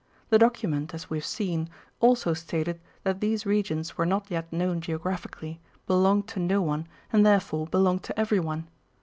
The document, as we have seen, also stated that these regions were not yet known geographically, belonged to no one and therefore belonged to everyone.